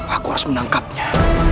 aku harus menangkapnya